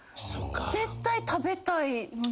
絶対食べたいのに。